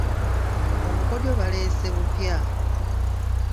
Obukodyo baleese bupya.